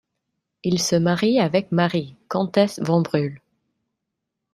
Il se marie avec Marie, comtesse von Brühl.